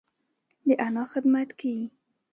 د انا خدمت کيي.